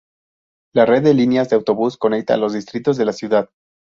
La red de líneas de autobús conecta los distritos de la ciudad.